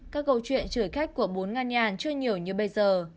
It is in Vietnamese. các câu chuyện chửi khách của bún nga nhản chưa nhiều như bây giờ